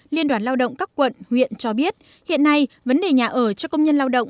liên đoàn lao động các quận huyện cho biết hiện nay vấn đề nhà ở cho công nhân lao động